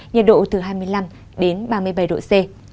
nhiệt độ từ hai mươi năm đến ba mươi bảy độ c